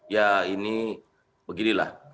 ya ini begitulah